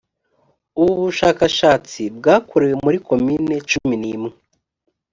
ubu bushakashatsi bwakorewe muri komini cumi n imwe